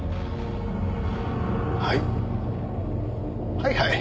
はいはい。